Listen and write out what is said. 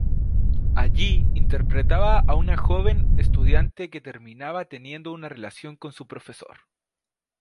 Allí interpretaba a una joven estudiante que terminaba teniendo una relación con su profesor.